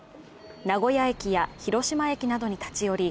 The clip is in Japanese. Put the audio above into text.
名古屋駅や広島駅などに立ち寄り